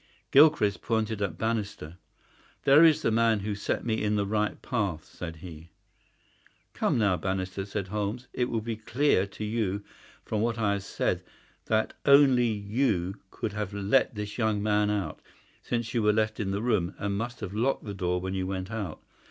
Gilchrist pointed to Bannister. "There is the man who set me in the right path," said he. "Come now, Bannister," said Holmes. "It will be clear to you from what I have said that only you could have let this young man out, since you were left in the room, and must have locked the door when you went out.